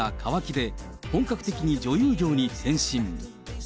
で、本格的に女優業に転身。